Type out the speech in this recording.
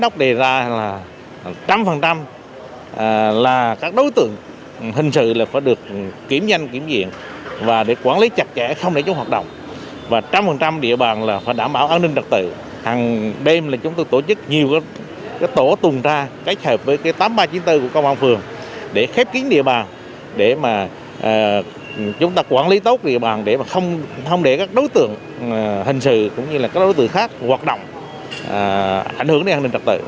chúng ta quản lý tốt địa bàn để không để các đối tượng hình sự cũng như các đối tượng khác hoạt động hảnh hưởng đến an ninh trật tự